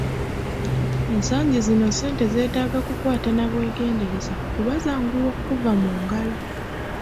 Ensangi zino ssente zeetaaga kukwata na bwegendereza kuba zanguwa okkuva mu ngalo.